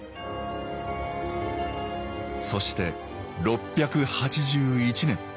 そして６８１年。